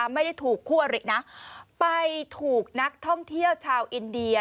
ไม่ได้ถูกคู่อรินะไปถูกนักท่องเที่ยวชาวอินเดีย